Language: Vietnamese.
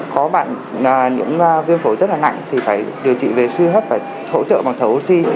có bạn những viêm phổi rất là nặng thì phải điều trị về suy hô hấp và hỗ trợ bằng thầu oxy